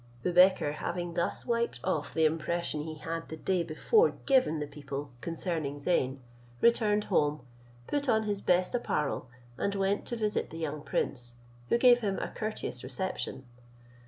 Boubekir having thus wiped off the impression he had the day before given the people concerning Zeyn, returned home, put on his best apparel and went to visit the young prince, who gave him a courteous reception.